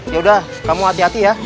yaudah kamu hati hati ya